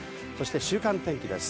週間天気です。